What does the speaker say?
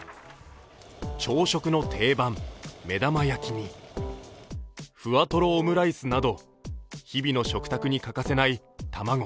朝食の定番、目玉焼きにふわとろオムライスなど日々の食卓に欠かせない卵。